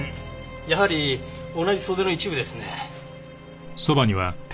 やはり同じ袖の一部ですね。